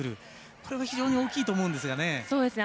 これは非常に大きいと思うんですがね。